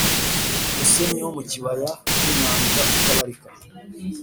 umusenyi wo mu kibaya cy inyanja utabarika